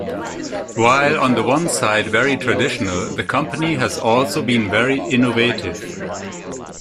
While on the one side very traditional, the company has also been very innovative.